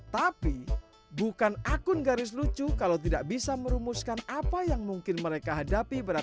tapi bukan akun garis lucu kalau tidak bisa merumuskan apa yang mungkin mereka hadapi